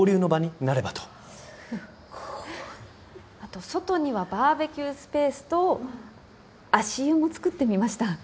後外にはバーベキュースペースと足湯も作ってみました。